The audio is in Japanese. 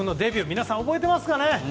皆さん覚えていますかね？